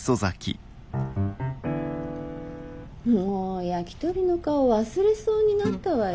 もうヤキトリの顔忘れそうになったわよ。